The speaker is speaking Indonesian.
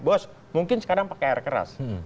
bos mungkin sekarang pakai air keras